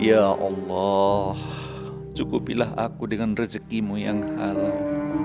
ya allah cukupilah aku dengan rezekimu yang halal